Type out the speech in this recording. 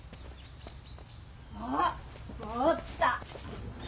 あっおった。